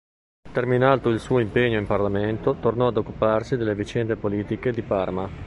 Terminato il suo impegno in Parlamento tornò ad occuparsi delle vicende politiche di Parma.